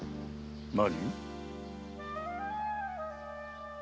何？